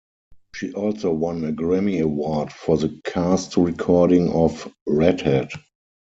She also won a Grammy Award for the cast recording of "Redhead".